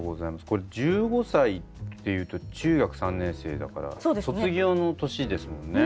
これ１５歳っていうと中学３年生だから卒業の年ですもんね。